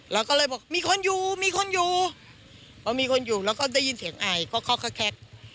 เราก็เลยบอกมีคนอยู่มีคนอยู่เพราะมีคนอยู่แล้วก็ได้ยินเสียงไอค็อกแคก